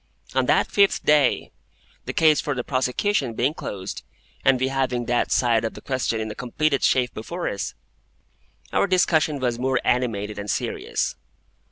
On that fifth day, the case for the prosecution being closed, and we having that side of the question in a completed shape before us, our discussion was more animated and serious.